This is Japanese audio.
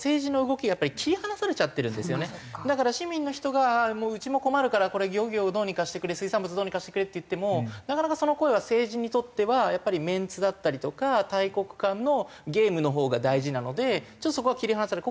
だから市民の人がうちも困るから漁業をどうにかしてくれ水産物どうにかしてくれって言ってもなかなかその声は政治にとってはやっぱりメンツだったりとか大国間のゲームのほうが大事なのでちょっとそこは切り離せない。